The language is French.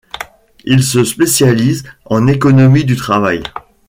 Il se spécialise en économie du travail.